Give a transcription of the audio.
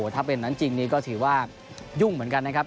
ถ้าเป็นนั้นจริงนี้ก็ถือว่ายุ่งเหมือนกันนะครับ